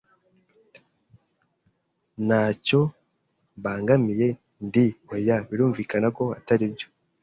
"Ntacyo mbangamiye, ndi?" "Oya, birumvikana ko atari byo."